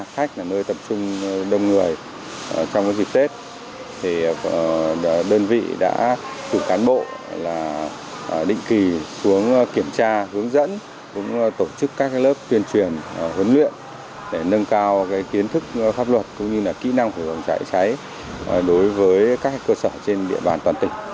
khách là nơi tập trung đông người trong dịp tết thì đơn vị đã từ cán bộ định kỳ xuống kiểm tra hướng dẫn tổ chức các lớp tuyên truyền huấn luyện để nâng cao kiến thức pháp luật cũng như kỹ năng của phòng cháy cháy đối với các cơ sở trên địa bàn toàn tỉnh